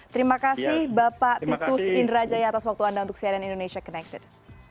terima kasih bapak titus indrajaya atas waktu anda untuk cnn indonesia connected